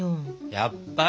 やっぱり！